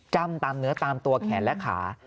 ้ำตามเนื้อตามตัวแขนและขา